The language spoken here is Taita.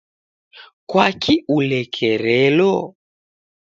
Kwaki ulekerelo?